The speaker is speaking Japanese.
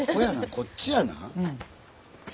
こっちやな？